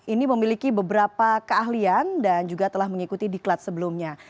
ini memiliki beberapa keahlian dan juga telah mengikuti diklat sebelumnya